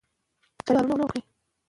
شاه محمود د پښتنو د یووالي یو سمبول و.